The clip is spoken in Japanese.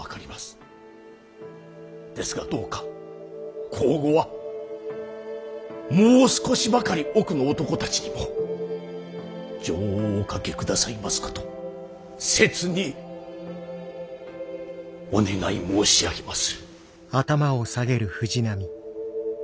ですがどうか向後はもう少しばかり奥の男たちにも情をおかけ下さいますこと切にお願い申し上げます。